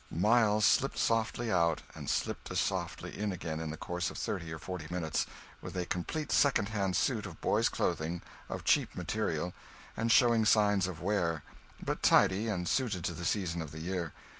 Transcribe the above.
Miles slipped softly out, and slipped as softly in again, in the course of thirty or forty minutes, with a complete second hand suit of boy's clothing, of cheap material, and showing signs of wear; but tidy, and suited to the season of the year.